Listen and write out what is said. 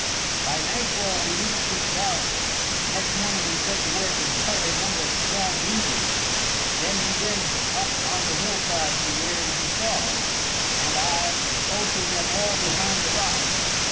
"By nightfall we reached this valley. The next morning we set to work and cut a number of strong levers, then we went up on the hillside to where you saw us, and I posted them all behind the rocks.